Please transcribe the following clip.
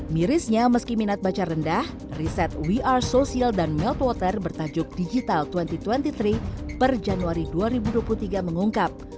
mirisnya meski minat baca rendah riset we are social dan mealth water bertajuk digital dua ribu dua puluh tiga per januari dua ribu dua puluh tiga mengungkap